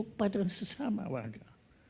kepada sesama warga